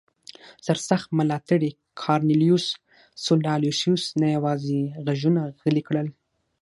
سرسخت ملاتړي کارنلیوس سولا لوسیوس نه یوازې غږونه غلي کړل